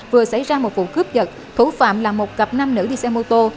vừa xảy ra một vụ cướp giật thủ phạm là một cặp nam nữ đi xe mô tô